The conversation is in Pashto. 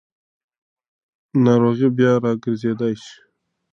ناروغي بیا راګرځېدای شي.